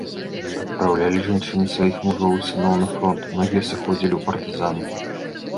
Адпраўлялі жанчыны сваіх мужоў і сыноў на фронт, многія сыходзілі ў партызаны.